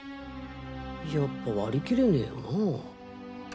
やっぱ割り切れねぇなぁ。